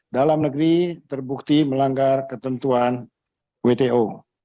dalam negeri terbukti melanggar ketentuan wto